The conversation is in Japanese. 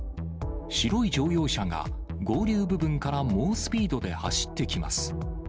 白い乗用車が、合流部分から猛スピードで走ってきます。